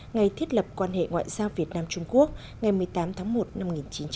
ngày thiết lập quan hệ ngoại giao việt nam trung quốc ngày một mươi tám tháng một năm một nghìn chín trăm bảy mươi